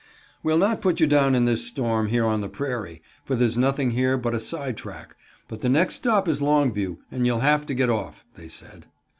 "We'll not put you down in this storm, here on the prairie, for there's nothing here but a side track, but the next stop is Longview, and you'll have to get off," they said.